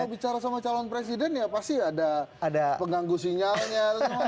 kalau bicara sama calon presiden ya pasti ada pengganggu sinyalnya